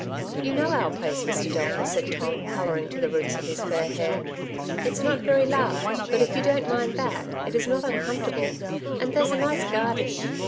"You know our place, Mr. Delta," said Tom, colouring to the roots of his fair hair. " It^s not very large, but if you don^t mind that, it is not un comfortable, and there's a nice garden."